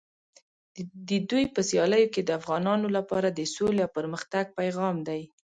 د دوی په سیالیو کې د افغانانو لپاره د سولې او پرمختګ پیغام دی.